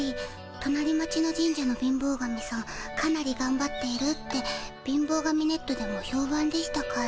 となり町の神社の貧乏神さんかなりがんばっているって貧乏神ネットでもひょうばんでしたから。